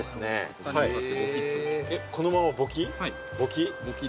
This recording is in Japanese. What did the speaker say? このまま、ボキっ？